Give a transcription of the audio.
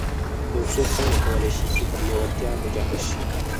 يو څوک څنګه کولای شي چې پر لېوالتیا مجهز شي.